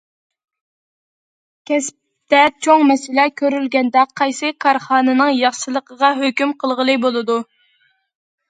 كەسىپتە چوڭ مەسىلە كۆرۈلگەندە، قايسى كارخانىنىڭ ياخشىلىقىغا ھۆكۈم قىلغىلى بولىدۇ.